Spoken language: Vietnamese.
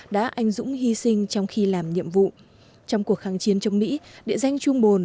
đã anh dũng hy sinh trong khi làm nhiệm vụ trong cuộc kháng chiến chống mỹ địa danh trung bồn